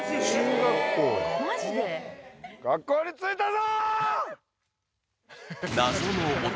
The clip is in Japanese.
学校についたぞ！